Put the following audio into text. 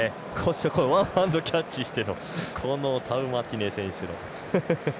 ワンハンドキャッチしてタウマテイネ選手の。